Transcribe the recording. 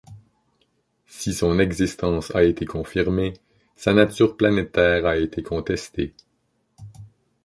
Si son existence a été confirmée, sa nature planétaire a été contestée.